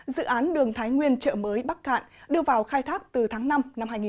dự án đường thái nguyên chợ mới bắc cạn đưa vào khai thác từ tháng năm năm hai nghìn một mươi